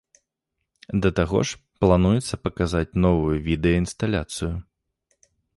Да таго ж плануецца паказаць новую відэаінсталяцыю.